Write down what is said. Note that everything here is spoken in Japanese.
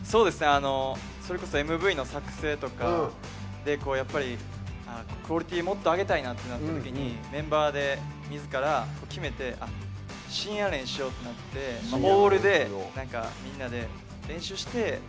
あのそれこそＭＶの作製とかでこうやっぱりクオリティーもっと上げたいなってなったときにメンバーでみずから決めて深夜練しようってなってオールでみんなで練習してみんなで歩いて帰るとか青春。